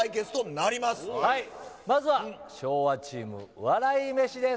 まずは昭和チーム、笑い飯です。